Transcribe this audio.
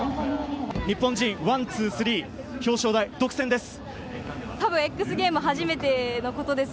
日本人、ワンツースリー表彰台独占です。